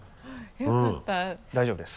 大丈夫です。